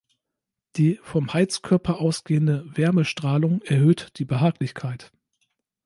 Die vom Heizkörper ausgehende Wärmestrahlung erhöht die Behaglichkeit.